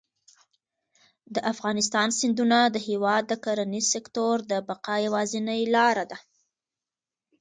د افغانستان سیندونه د هېواد د کرنیز سکتور د بقا یوازینۍ لاره ده.